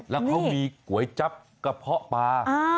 แล้วเขามีก๋วยจับกระเพาะปลา